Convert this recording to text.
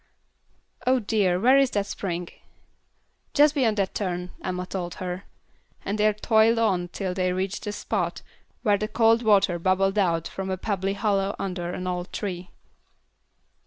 "Oh, dear, where is that spring?" "Just beyond that turn," Emma told her. And they toiled on till they reached the spot where the cold water bubbled out from a pebbly hollow under an old tree.